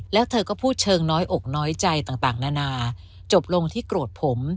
แล้วเธอก็พูดเชิงน้อยอกน้อยใจต่างนานาจบลงที่โกรธผม